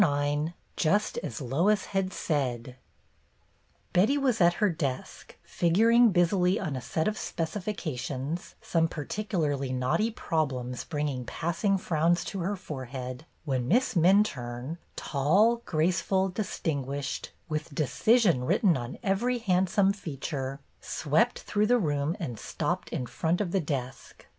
IX JUST AS LOIS HAD SAID B etty was at her desk, figuring busily I on a set of specifications, some particu larly knotty problems bringing passing frowns to her forehead, when Miss Minturne, tall, graceful, distinguished, with decision written on every handsome feature, swept through the room and stopped in front of the desk.